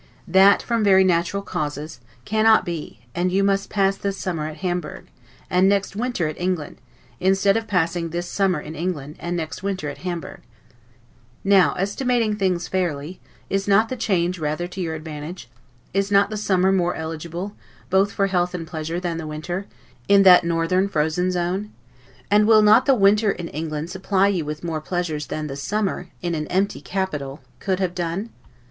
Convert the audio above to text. That, from very natural causes, cannot be, and you must pass this summer at Hamburg, and next winter in England, instead of passing this summer in England, and next winter at Hamburg. Now, estimating things fairly, is not the change rather to your advantage? Is not the summer more eligible, both for health and pleasure, than the winter, in that northern frozen zone? And will not the winter in England supply you with more pleasures than the summer, in an empty capital, could have done?